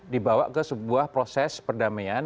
dibawa ke sebuah proses perdamaian